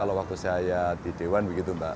kalau waktu saya di dewan begitu mbak